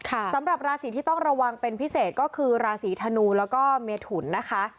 สำหรับราศีที่ต้องระวังเป็นพิเศษก็คือราศีธนูแล้วก็เมถุนนะคะ